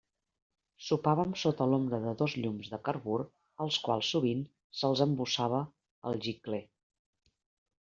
Sopàvem sota l'ombra de dos llums de carbur als quals sovint se'ls embossava el gicler.